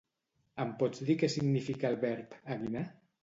Em pots dir que significa el verb "eguinar"